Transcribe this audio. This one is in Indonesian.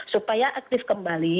supaya aktif kembali